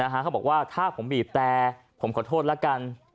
เขาบอกว่าถ้าผมบีบแต่ผมขอโทษแล้วกัน